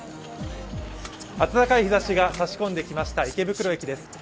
温かい日ざしが差し込んできました池袋駅です。